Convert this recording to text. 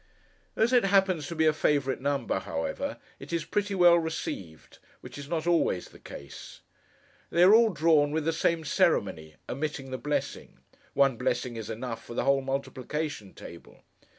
As it happens to be a favourite number, however, it is pretty well received, which is not always the case. They are all drawn with the same ceremony, omitting the blessing. One blessing is enough for the whole multiplication table.